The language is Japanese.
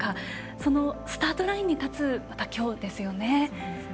そのスタートラインに立つきょうですよね。